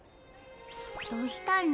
どうしたの？